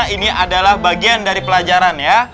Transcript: ini adalah bagian dari pelajaran ya